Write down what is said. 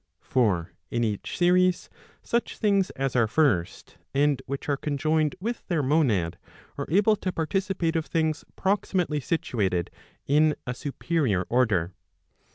For in each series, such things as are first, and which are conjoined with their monad, are able to participate of things proximately situated in a superior order.